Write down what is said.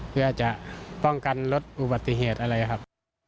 เพื่อจะป้องกันลดอุบัติเหตุอะไรครับ